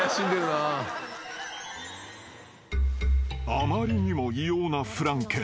［あまりにも異様なフランケン］